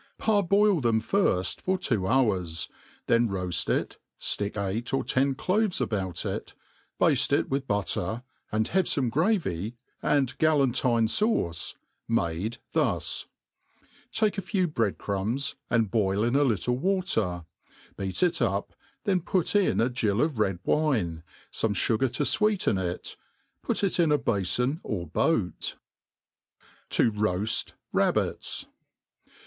PAR4JOIL them firft for two. hours, then roaft it, ftick eight or ten cloves about it ; bafte it with butter, and have fomd gravy, and galintine'fauce, ^ade th)js : take a few bre^d •crumbs, arid boil in a little ^yater, beat it up^ ^hefi put in f gill of red wine, fome fugar to fweeten itj put it in a bafon pr boat, ... To roqft Rabbits.